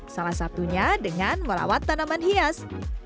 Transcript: salah satunya dengan merawat tanaman hias